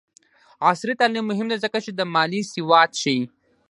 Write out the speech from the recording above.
عصري تعلیم مهم دی ځکه چې د مالي سواد ښيي.